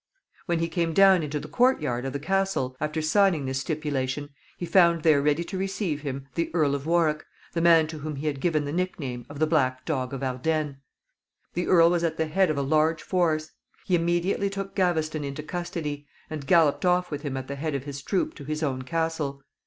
When he came down into the court yard of the castle, after signing this stipulation, he found there ready to receive him the Earl of Warwick, the man to whom he had given the nickname of the Black Dog of Ardenne. The earl was at the head of a large force. He immediately took Gaveston into custody, and galloped off with him at the head of his troop to his own castle.